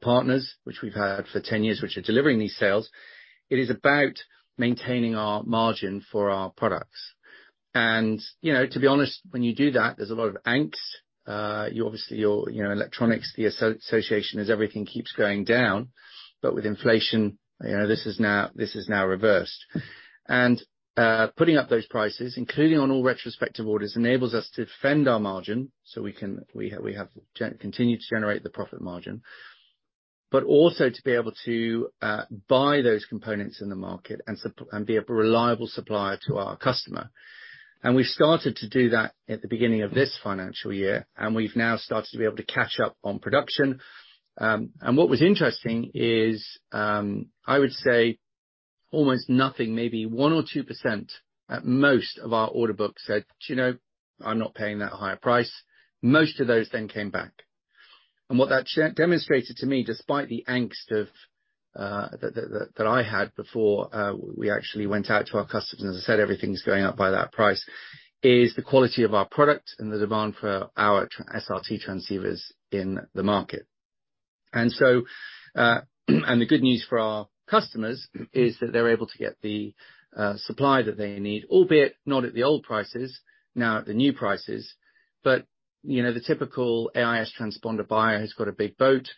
Partners, which we've had for 10 years, which are delivering these sales. It is about maintaining our margin for our products. You know, to be honest, when you do that, there's a lot of angst. You obviously, or, you know, electronics, the association as everything keeps going down. But with inflation, you know, this is now reversed. Putting up those prices, including on all retrospective orders, enables us to defend our margin so we can continue to generate the profit margin, but also to be able to buy those components in the market and be a reliable supplier to our customer. We started to do that at the beginning of this financial year, and we've now started to be able to catch up on production. What was interesting is, I would say almost nothing, maybe 1 or 2% at most of our order book said, "You know, I'm not paying that higher price." Most of those then came back. What that demonstrated to me, despite the angst of that I had before, we actually went out to our customers and said, "Everything's going up by that price," is the quality of our product and the demand for our SRT transceivers in the market. The good news for our customers is that they're able to get the supply that they need, albeit not at the old prices, now at the new prices. The typical AIS transponder buyer has got a big boat.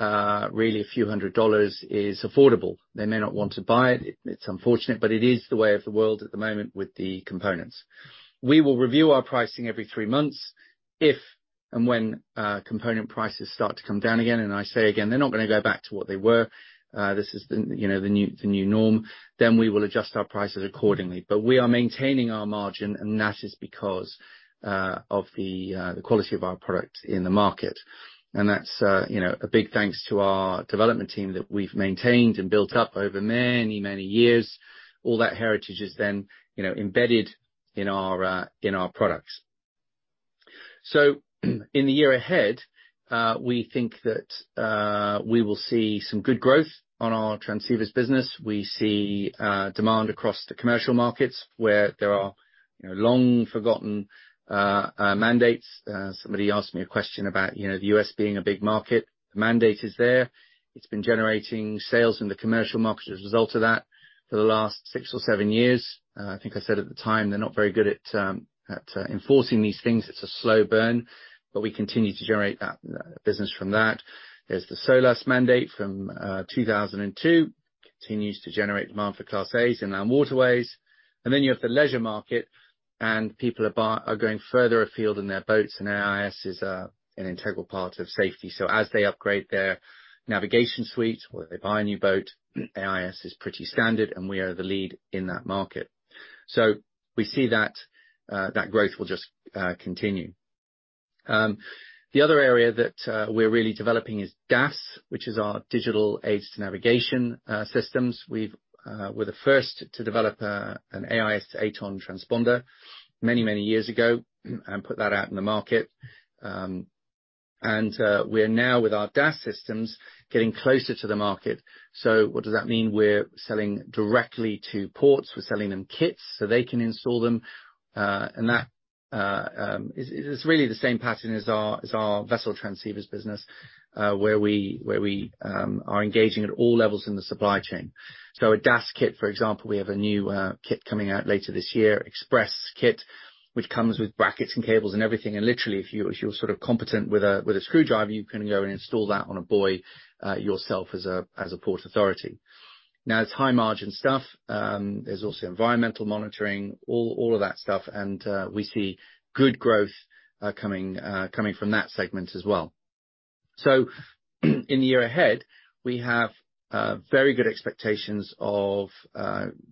Really a few hundred dollars is affordable. They may not want to buy it. It's unfortunate, but it is the way of the world at the moment with the components. We will review our pricing every three months, if and when component prices start to come down again. I say again, they're not gonna go back to what they were. This is the, you know, the new norm. We will adjust our prices accordingly. We are maintaining our margin, and that is because of the quality of our product in the market. That's, you know, a big thanks to our development team that we've maintained and built up over many, many years. All that heritage is then, you know, embedded in our products. In the year ahead, we think that we will see some good growth on our transceivers business. We see demand across the commercial markets where there are, you know, long-forgotten mandates. Somebody asked me a question about, you know, the US being a big market. Mandate is there. It's been generating sales in the commercial market as a result of that for the last six or seven years. I think I said at the time, they're not very good at enforcing these things. It's a slow burn, but we continue to generate that business from that. There's the SOLAS mandate from 2002. Continues to generate demand for Class A's in our waterways. You have the leisure market and people are going further afield in their boats, and AIS is an integral part of safety. As they upgrade their navigation suite or they buy a new boat, AIS is pretty standard, and we are the lead in that market. We see that growth will just continue. The other area that we're really developing is DAS, which is our digital aids to navigation systems. We're the first to develop an AIS AtoN transponder many, many years ago and put that out in the market. We are now with our DAS systems, getting closer to the market. What does that mean? We're selling directly to ports. We're selling them kits so they can install them, and that is really the same pattern as our vessel transceivers business, where we are engaging at all levels in the supply chain. A DAS kit, for example, we have a new kit coming out later this year. EXPRESS kit, which comes with brackets and cables and everything. Literally, if you're sort of competent with a screwdriver, you can go and install that on a buoy yourself as a port authority. Now, it's high margin stuff. There's also environmental monitoring, all of that stuff. We see good growth coming from that segment as well. In the year ahead, we have very good expectations of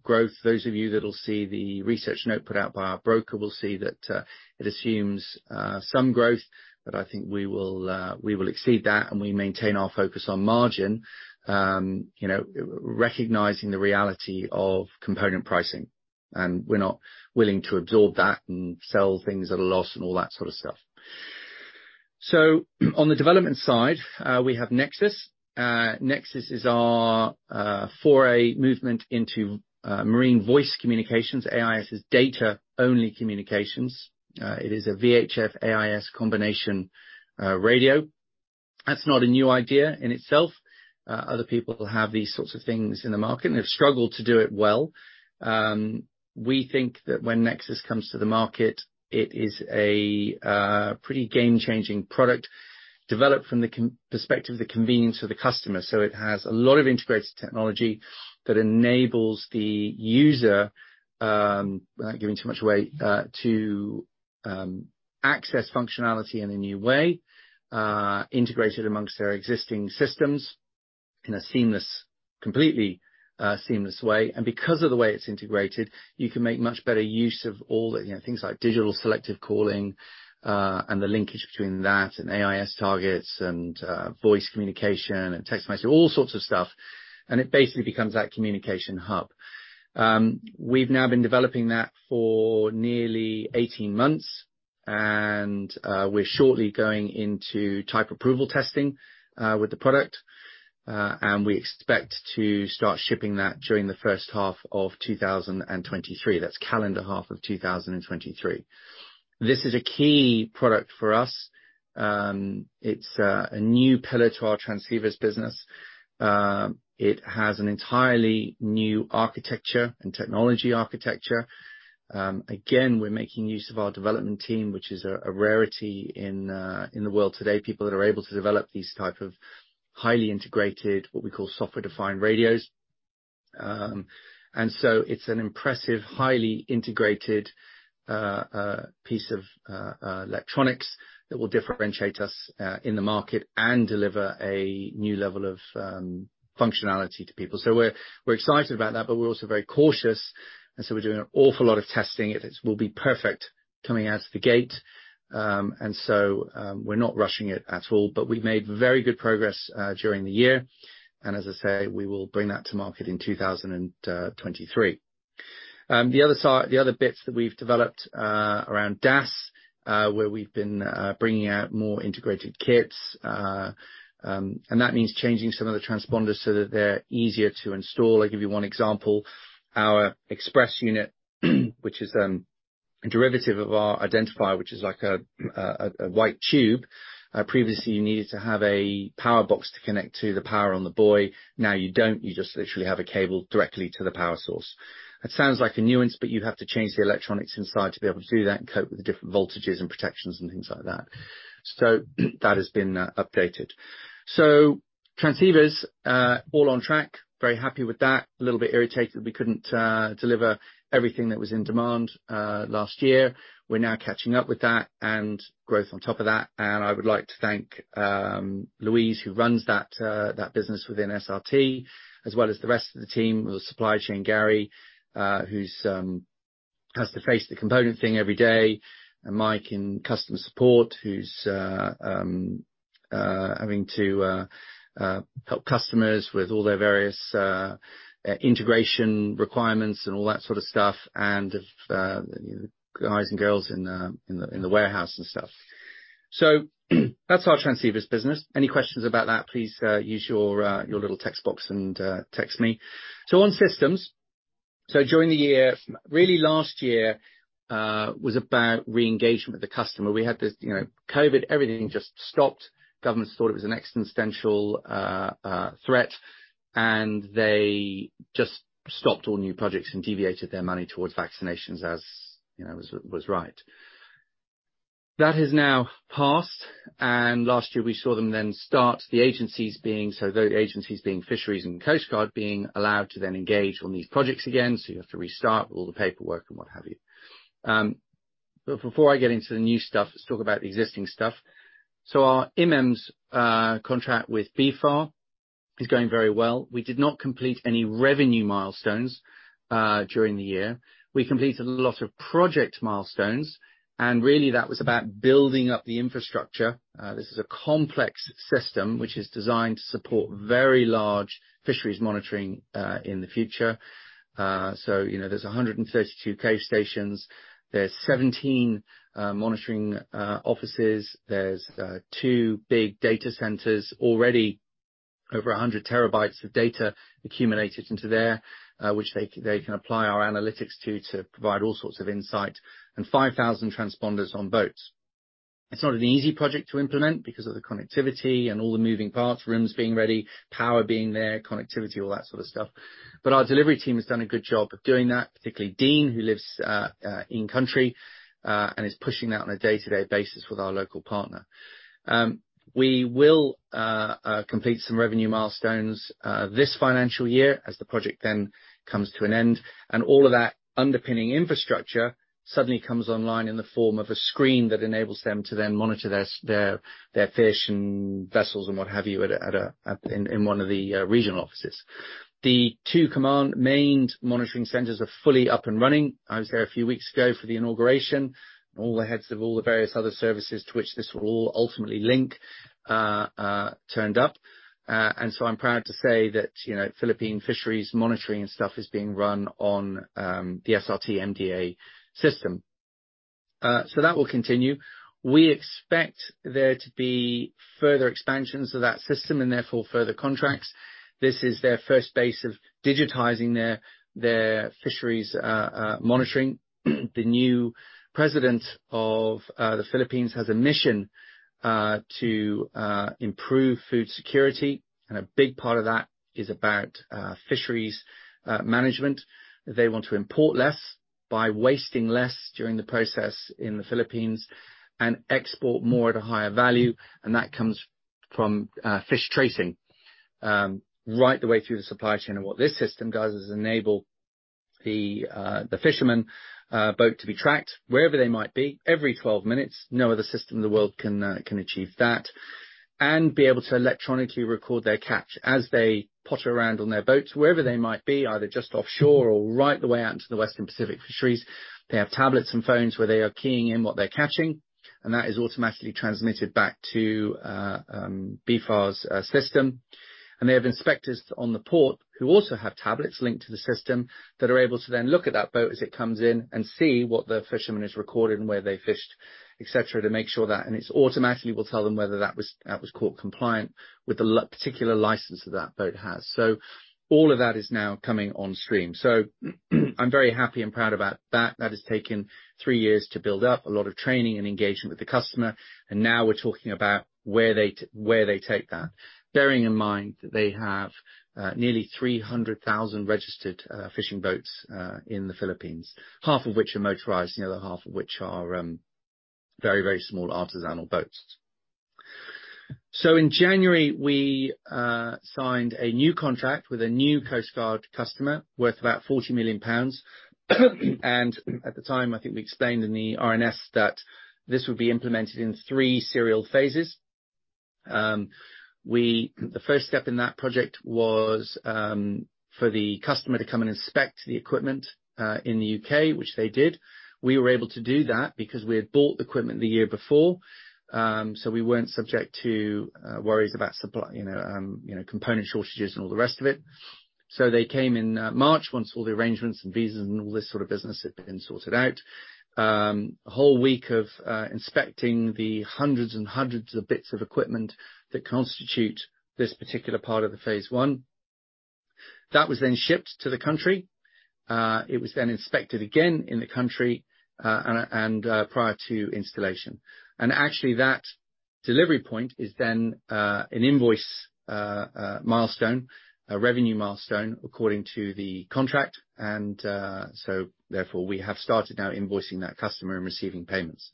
growth. Those of you that will see the research note put out by our broker will see that it assumes some growth, but I think we will exceed that, and we maintain our focus on margin. You know, recognizing the reality of component pricing. We're not willing to absorb that and sell things at a loss and all that sort of stuff. On the development side, we have NEXUS. NEXUS is our for a movement into marine voice communications. AIS is data-only communications. It is a VHF AIS combination radio. That's not a new idea in itself. Other people have these sorts of things in the market and have struggled to do it well. We think that when NEXUS comes to the market, it is a pretty game-changing product developed from the perspective, the convenience of the customer. It has a lot of integrated technology that enables the user, without giving too much away, to access functionality in a new way, integrated among their existing systems in a seamless, completely, seamless way. Because of the way it's integrated, you can make much better use of all the, you know, things like Digital Selective Calling, and the linkage between that and AIS targets and, voice communication and text messaging, all sorts of stuff. It basically becomes that communication hub. We've now been developing that for nearly 18 months, and we're shortly going into type approval testing with the product. We expect to start shipping that during the first half of 2023. That's calendar half of 2023. This is a key product for us. It's a new pillar to our transceivers business. It has an entirely new architecture and technology architecture. Again, we're making use of our development team, which is a rarity in the world today. People that are able to develop these type of highly integrated, what we call software-defined radios. It's an impressive, highly integrated piece of electronics that will differentiate us in the market and deliver a new level of functionality to people. We're excited about that, but we're also very cautious, and we're doing an awful lot of testing. It will be perfect coming out of the gate. We're not rushing it at all. We made very good progress during the year, and as I say, we will bring that to market in 2023. The other bits that we've developed around DAS, where we've been bringing out more integrated kits. That means changing some of the transponders so that they're easier to install. I'll give you one example. Our EXPRESS unit, which is a derivative of our Identifier, which is like a white tube. Previously you needed to have a power box to connect to the power on the buoy. Now you don't, you just literally have a cable directly to the power source. It sounds like a nuance, but you have to change the electronics inside to be able to do that and cope with the different voltages and protections and things like that. That has been updated. Transceivers all on track. Very happy with that. A little bit irritated that we couldn't deliver everything that was in demand last year. We're now catching up with that and growth on top of that. I would like to thank Louise, who runs that business within SRT, as well as the rest of the team. The supply chain, Gary, who's has to face the component thing every day, and Mike in customer support, who's having to help customers with all their various integration requirements and all that sort of stuff, and the guys and girls in the warehouse and stuff. That's our transceivers business. Any questions about that, please use your little text box and text me. On systems, during the year. Really last year was about re-engagement with the customer. We had this, you know, COVID, everything just stopped. Governments thought it was an existential threat, and they just stopped all new projects and deviated their money towards vaccinations, as you know, was right. That has now passed, and last year we saw them then start the agencies being. The agencies being fisheries and coast guard being allowed to then engage on these projects again. You have to restart all the paperwork and what have you. Before I get into the new stuff, let's talk about the existing stuff. Our MDA contract with BFAR is going very well. We did not complete any revenue milestones during the year. We completed a lot of project milestones, and really that was about building up the infrastructure. This is a complex system which is designed to support very large fisheries monitoring in the future. You know, there's 132 base stations. There's 17 monitoring offices. There's two big data centers. Already over 100 terabytes of data accumulated into there, which they can apply our analytics to provide all sorts of insight, and 5,000 transponders on boats. It's not an easy project to implement because of the connectivity and all the moving parts, rooms being ready, power being there, connectivity, all that sort of stuff. Our delivery team has done a good job of doing that, particularly Dean, who lives in country and is pushing that on a day-to-day basis with our local partner. We will complete some revenue milestones this financial year as the project then comes to an end, and all of that underpinning infrastructure suddenly comes online in the form of a screen that enables them to then monitor their fish and vessels and what have you in one of the regional offices. The two command main monitoring centers are fully up and running. I was there a few weeks ago for the inauguration. All the heads of all the various other services to which this will all ultimately link turned up. I'm proud to say that, you know, Philippine Fisheries monitoring and stuff is being run on the SRT MDA System. That will continue. We expect there to be further expansions of that system and therefore further contracts. This is their first base of digitizing their fisheries monitoring. The new president of the Philippines has a mission to improve food security, and a big part of that is about fisheries management. They want to import less by wasting less during the process in the Philippines and export more at a higher value, and that comes from fish tracing right the way through the supply chain. What this system does is enable the fisherman boat to be tracked wherever they might be every 12 minutes. No other system in the world can achieve that. Be able to electronically record their catch as they potter around on their boats, wherever they might be, either just offshore or right the way out into the Western Pacific fisheries. They have tablets and phones where they are keying in what they're catching, and that is automatically transmitted back to BFAR's system. They have inspectors on the port who also have tablets linked to the system that are able to then look at that boat as it comes in and see what the fisherman has recorded and where they fished, et cetera, to make sure that it automatically will tell them whether that was caught compliant with the particular license that that boat has. All of that is now coming on stream. I'm very happy and proud about that. That has taken three years to build up, a lot of training and engagement with the customer, and now we're talking about where they take that. Bearing in mind that they have nearly 300,000 registered fishing boats in the Philippines, half of which are motorized, and the other half of which are very, very small artisanal boats. In January, we signed a new contract with a new Coast Guard customer worth about 40 million pounds. At the time, I think we explained in the RNS that this would be implemented in three serial phases. The first step in that project was for the customer to come and inspect the equipment in the UK, which they did. We were able to do that because we had bought the equipment the year before, so we weren't subject to worries about supply, you know, you know, component shortages and all the rest of it. They came in March once all the arrangements and visas and all this sort of business had been sorted out. A whole week of inspecting the hundreds and hundreds of bits of equipment that constitute this particular part of the phase one. That was then shipped to the country. It was then inspected again in the country, and prior to installation. Actually, that delivery point is then an invoicing milestone, a revenue milestone according to the contract. Therefore, we have started now invoicing that customer and receiving payments.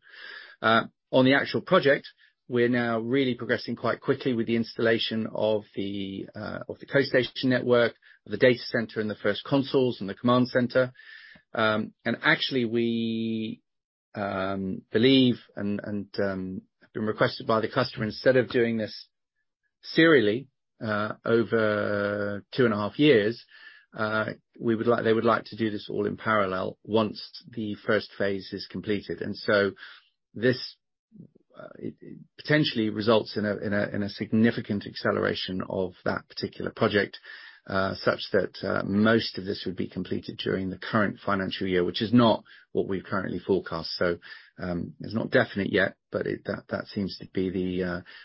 On the actual project, we're now really progressing quite quickly with the installation of the coast station network, the data center, and the first consoles, and the command center. Actually, we believe and have been requested by the customer, instead of doing this serially over two and a half years, they would like to do this all in parallel once the first phase is completed. It potentially results in a significant acceleration of that particular project such that most of this would be completed during the current financial year, which is not what we've currently forecast. It's not definite yet, but that seems to be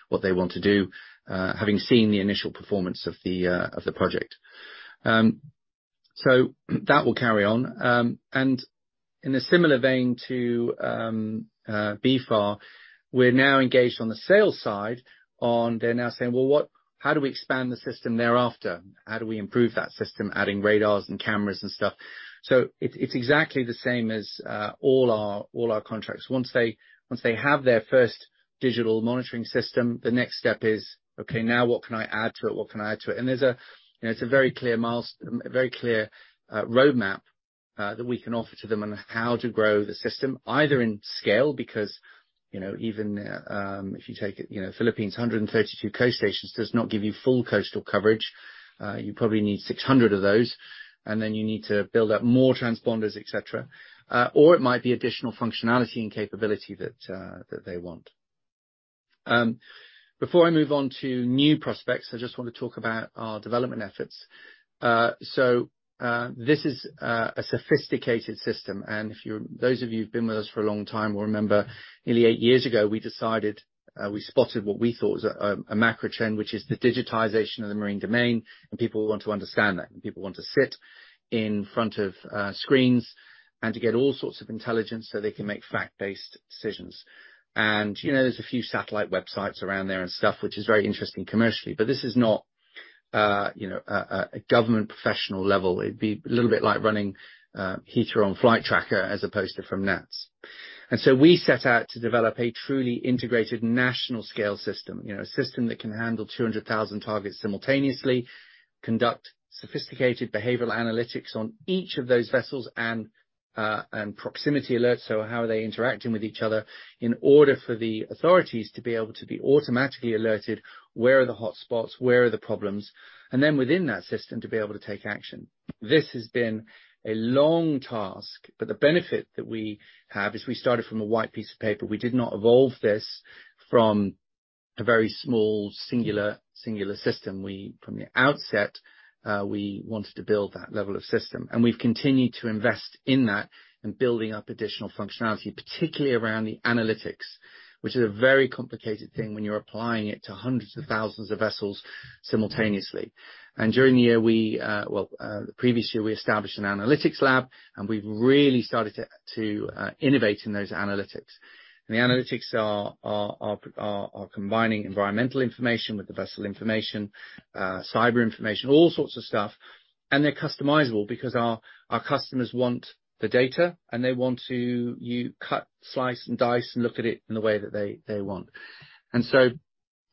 what they want to do having seen the initial performance of the project. That will carry on. In a similar vein to BFAR, we're now engaged on the sales side, and they're now saying, "Well, what, how do we expand the system thereafter? How do we improve that system adding radars and cameras and stuff?" It's exactly the same as all our contracts. Once they have their first digital monitoring system, the next step is, "Okay, now what can I add to it? What can I add to it?" There's, you know, a very clear roadmap that we can offer to them on how to grow the system, either in scale, because, you know, even if you take it, you know, the Philippines 132 coast stations does not give you full coastal coverage. You probably need 600 of those, and then you need to build up more transponders, et cetera. Or it might be additional functionality and capability that they want. Before I move on to new prospects, I just wanna talk about our development efforts. This is a sophisticated system, and those of you who've been with us for a long time will remember nearly eight years ago, we decided we spotted what we thought was a macro trend, which is the digitization of the marine domain, and people want to understand that. People want to sit in front of screens and to get all sorts of intelligence so they can make fact-based decisions. You know, there's a few satellite websites around there and stuff, which is very interesting commercially, but this is not, you know, a government professional level. It'd be a little bit like running either on Flightradar24 as opposed to from NATS. We set out to develop a truly integrated national scale system, you know, a system that can handle 200,000 targets simultaneously, conduct sophisticated behavioral analytics on each of those vessels and proximity alerts, so how are they interacting with each other, in order for the authorities to be able to be automatically alerted, where are the hotspots, where are the problems, and then within that system, to be able to take action. This has been a long task, but the benefit that we have is we started from a white piece of paper. We did not evolve this from a very small, singular system. From the outset, we wanted to build that level of system, and we've continued to invest in that and building up additional functionality, particularly around the analytics, which is a very complicated thing when you're applying it to hundreds of thousands of vessels simultaneously. During the year, the previous year, we established an analytics lab, and we've really started to innovate in those analytics. The analytics are combining environmental information with the vessel information, cyber information, all sorts of stuff. They're customizable because our customers want the data, and they want to cut, slice, and dice and look at it in the way that they want.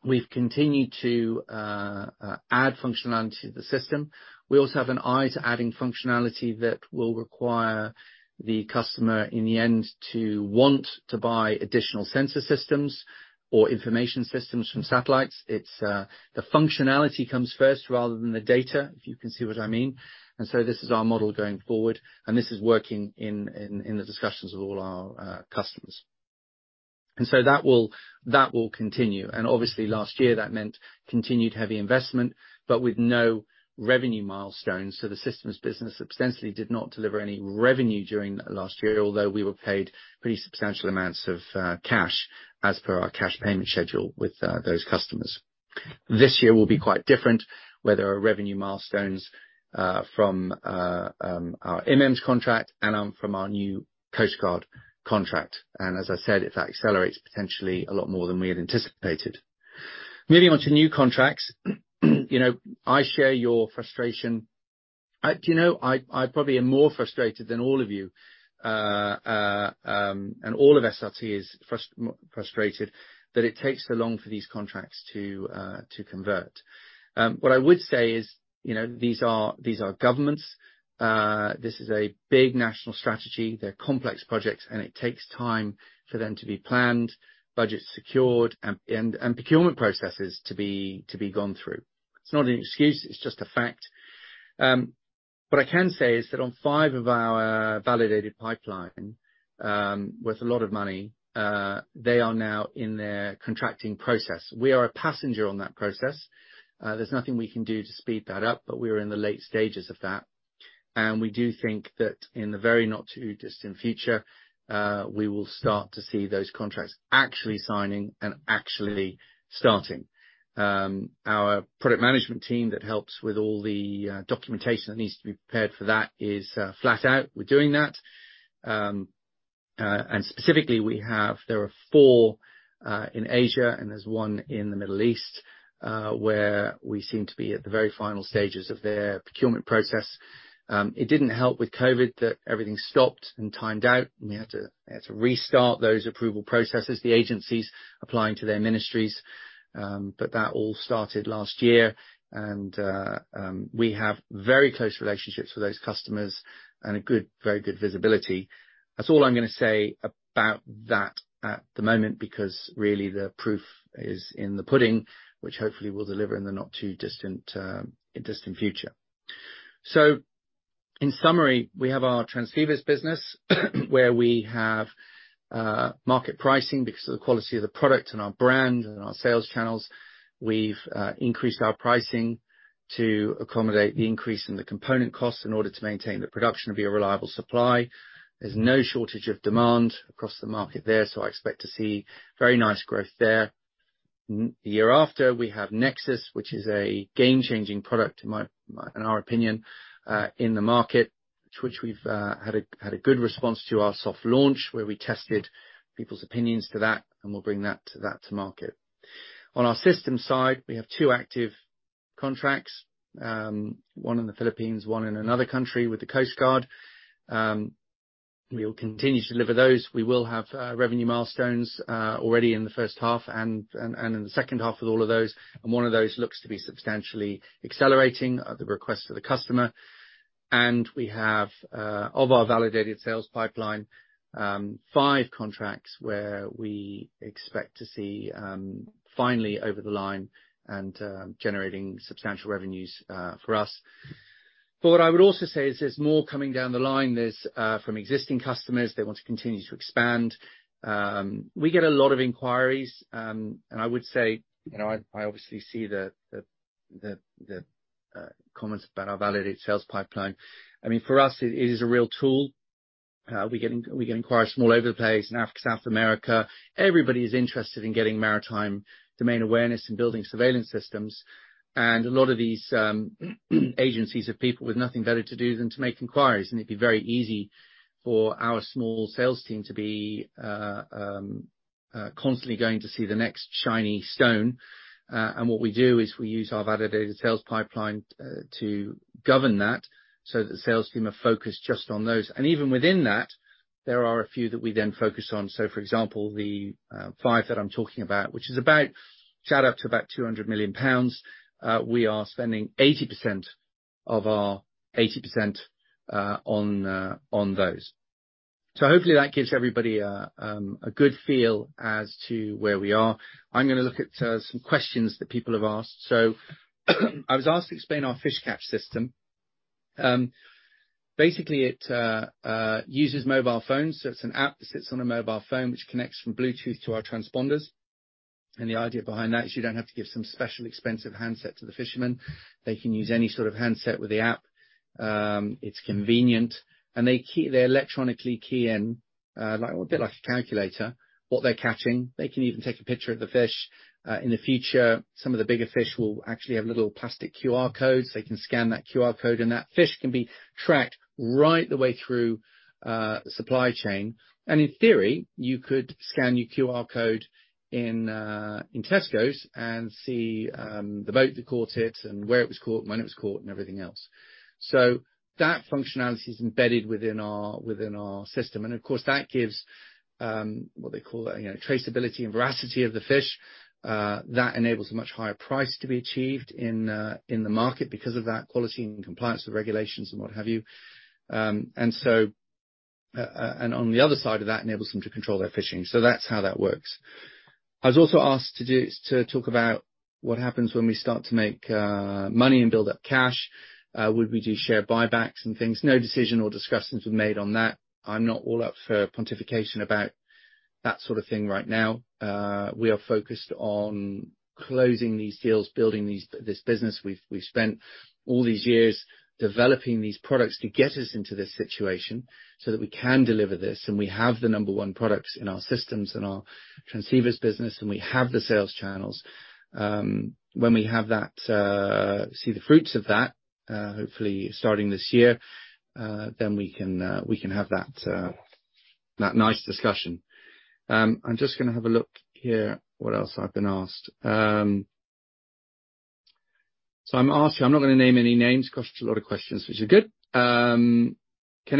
We've continued to add functionality to the system. We also have an eye to adding functionality that will require the customer in the end to want to buy additional sensor systems or information systems from satellites. It's the functionality comes first rather than the data, if you can see what I mean. This is our model going forward, and this is working in the discussions with all our customers. That will continue. Obviously last year that meant continued heavy investment, but with no revenue milestones. The systems business ostensibly did not deliver any revenue during last year, although we were paid pretty substantial amounts of cash as per our cash payment schedule with those customers. This year will be quite different, where there are revenue milestones from our MDA's contract and from our new Coast Guard contract. As I said, if that accelerates potentially a lot more than we had anticipated. Moving on to new contracts you know, I share your frustration. I do know I probably am more frustrated than all of you, and all of SRT is frustrated that it takes so long for these contracts to convert. What I would say is, you know, these are, these are governments. This is a big national strategy. They're complex projects, and it takes time for them to be planned, budgets secured, and procurement processes to be gone through. It's not an excuse, it's just a fact. What I can say is that on five of our validated pipeline, worth a lot of money, they are now in their contracting process. We are a passenger on that process. There's nothing we can do to speed that up, but we are in the late stages of that. We do think that in the very not too distant future, we will start to see those contracts actually signing and actually starting. Our product management team that helps with all the documentation that needs to be prepared for that is flat out with doing that. Specifically, there are four in Asia, and there's one in the Middle East where we seem to be at the very final stages of their procurement process. It didn't help with COVID that everything stopped and timed out, and we had to restart those approval processes, the agencies applying to their ministries. That all started last year. We have very close relationships with those customers and a good, very good visibility. That's all I'm gonna say about that at the moment, because really the proof is in the pudding, which hopefully will deliver in the not too distant future. In summary, we have our transceivers business where we have market pricing because of the quality of the product and our brand and our sales channels. We've increased our pricing to accommodate the increase in the component costs in order to maintain the production of a reliable supply. There's no shortage of demand across the market there, so I expect to see very nice growth there. Next year, we have NEXUS, which is a game-changing product in our opinion in the market, which we've had a good response to our soft launch, where we tested people's opinions on that, and we'll bring that to market. On our systems side, we have two active contracts, one in the Philippines, one in another country with the Coast Guard. We'll continue to deliver those. We will have revenue milestones already in the first half and in the second half with all of those, and one of those looks to be substantially accelerating at the request of the customer. We have of our validated sales pipeline five contracts where we expect to see finally over the line and generating substantial revenues for us. What I would also say is there's more coming down the line. There's from existing customers, they want to continue to expand. We get a lot of inquiries, and I would say, you know, I obviously see the comments about our validated sales pipeline. I mean, for us, it is a real tool. We get inquiries from all over the place, in Africa, South America. Everybody is interested in getting maritime domain awareness and building surveillance systems. A lot of these agencies are people with nothing better to do than to make inquiries, and it'd be very easy for our small sales team to be constantly going to see the next shiny stone. What we do is we use our validated sales pipeline to govern that so that the sales team are focused just on those. Even within that, there are a few that we then focus on. For example, the five that I'm talking about, which add up to about 200 million pounds, we are spending 80% on those. Hopefully that gives everybody a good feel as to where we are. I'm gonna look at some questions that people have asked. I was asked to explain our Fish Catch system. Basically, it uses mobile phones. It's an app that sits on a mobile phone, which connects from bluetooth to our transponders. The idea behind that is you don't have to give some special expensive handset to the fishermen. They can use any sort of handset with the app. It's convenient, and they electronically key in, like a bit like a calculator, what they're catching. They can even take a picture of the fish. In the future, some of the bigger fish will actually have little plastic QR codes. They can scan that QR code, and that fish can be tracked right the way through the supply chain. In theory, you could scan your QR code in Tesco's and see the boat that caught it and where it was caught, when it was caught, and everything else. That functionality is embedded within our system. Of course, that gives what they call, you know, traceability and veracity of the fish. That enables a much higher price to be achieved in the market because of that quality and compliance with regulations and what have you. And on the other side of that enables them to control their fishing. That's how that works. I was also asked to talk about what happens when we start to make, money and build up cash. Would we do share buybacks and things? No decision or discussions were made on that. I'm not all up for pontification about that sort of thing right now. We are focused on closing these deals, building this business. We've spent all these years developing these products to get us into this situation so that we can deliver this, and we have the number one products in our systems and our transceivers business, and we have the sales channels. When we have that, see the fruits of that, hopefully starting this year, then we can have that nice discussion. I'm just gonna have a look here what else I've been asked. I'm asked here, I'm not gonna name any names 'cause it's a lot of questions, which are good. Can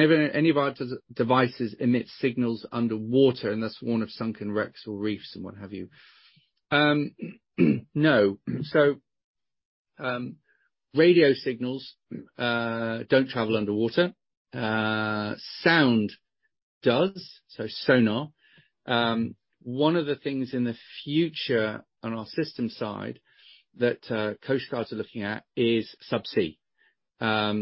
any of our devices emit signals underwater, and thus warn of sunken wrecks or reefs and what have you? No. Radio signals don't travel underwater. Sound does, so sonar. One of the things in the future on our system side that coast guards are looking at is sub-sea. At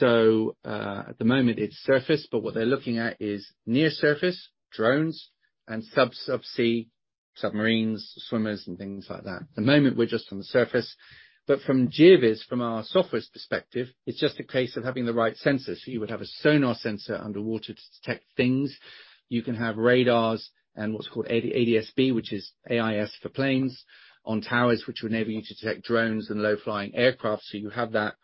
the moment it's surface, but what they're looking at is near surface, drones and sub-sea, submarines, swimmers, and things like that. At the moment, we're just on the surface, but from GeoVS, from our software's perspective, it's just a case of having the right sensors. You would have a sonar sensor underwater to detect things. You can have radars and what's called ADS-B, which is AIS for planes on towers which would enable you to detect drones and low-flying aircraft. You have that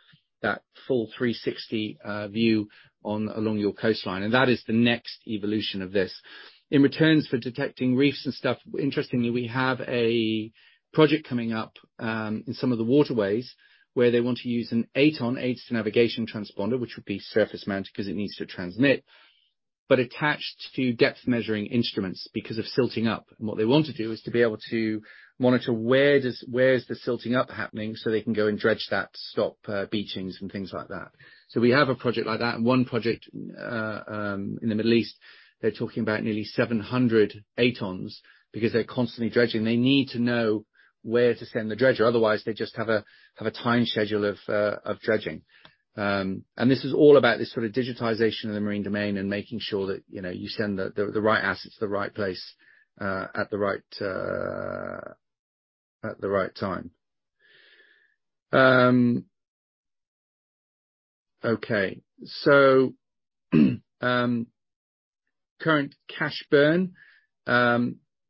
full 360 view along your coastline, and that is the next evolution of this. In terms of detecting reefs and stuff, interestingly, we have a project coming up in some of the waterways where they want to use an ATON, Aids to Navigation transponder, which would be surface mounted 'cause it needs to transmit, but attached to depth measuring instruments because of silting up. What they want to do is to be able to monitor where is the silting up happening, so they can go and dredge that, stop beachings and things like that. We have a project like that. One project in the Middle East, they're talking about nearly 700 ATONs because they're constantly dredging. They need to know where to send the dredger, otherwise they just have a time schedule of dredging. This is all about this sort of digitization of the marine domain and making sure that, you know, you send the right assets to the right place at the right time. Okay. Current cash burn.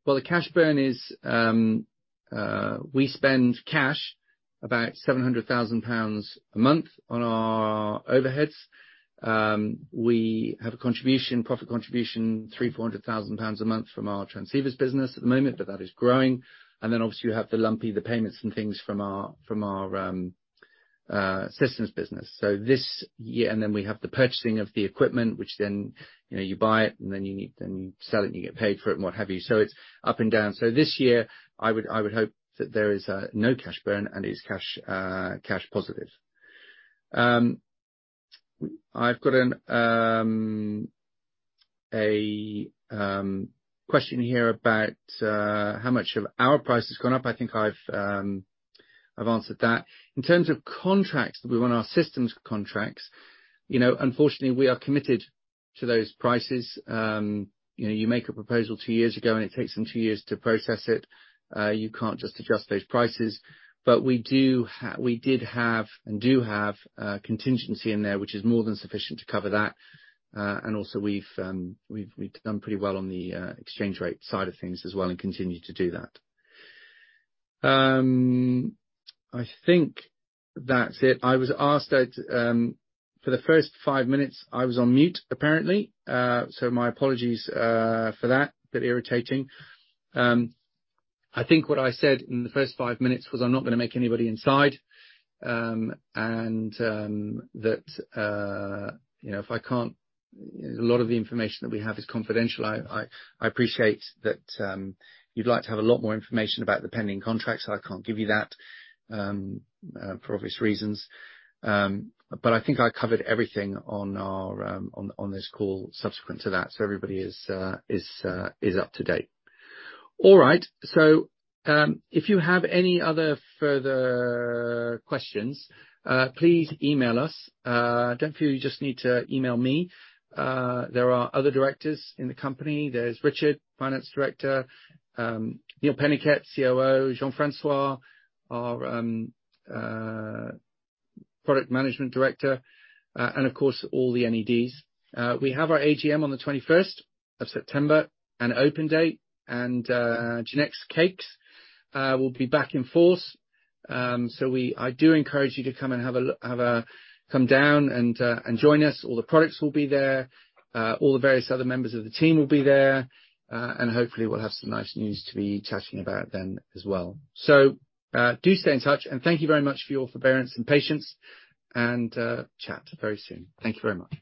Well, the cash burn is we spend cash about 700,000 pounds a month on our overheads. We have a contribution, profit contribution, 300,000-400,000 pounds a month from our transceivers business at the moment, but that is growing. Obviously you have the lumpy payments and things from our systems business. This year we have the purchasing of the equipment, which, you know, you buy it and you sell it, and you get paid for it and what have you. It's up and down. This year I would hope that there is no cash burn and it is cash positive. I've got a question here about how much of our price has gone up. I think I've answered that. In terms of contracts, we have our systems contracts. You know, unfortunately, we are committed to those prices. You know, you make a proposal two years ago, and it takes them two years to process it. You can't just adjust those prices. We did have and do have contingency in there, which is more than sufficient to cover that. And also we've done pretty well on the exchange rate side of things as well and continue to do that. I think that's it. For the first five minutes, I was on mute, apparently. My apologies for that. A bit irritating. I think what I said in the first five minutes was I'm not gonna make anybody inside. A lot of the information that we have is confidential. I appreciate that you'd like to have a lot more information about the pending contracts. I can't give you that for obvious reasons. I think I covered everything on this call subsequent to that, so everybody is up to date. All right. If you have any other further questions, please email us. Don't feel you just need to email me. There are other directors in the company. There's Richard, Finance Director, Neil Peniket, COO, Jean-François, our Product Management Director, and of course, all the NEDs. We have our AGM on the 21st of September, an open date, and Jenix Cakes will be back in force. I do encourage you to come and have a look, come down and join us. All the products will be there. All the various other members of the team will be there. Hopefully we'll have some nice news to be chatting about then as well. Do stay in touch, and thank you very much for your forbearance and patience. Chat very soon. Thank you very much.